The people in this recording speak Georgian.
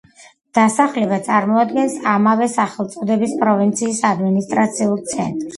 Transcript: დასახლება წარმოადგენს ამავე სახელწოდების პროვინციის ადმინისტრაციულ ცენტრს.